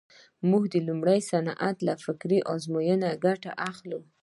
موږ د لومړني وضعیت له فکري ازموینې ګټه اخلو.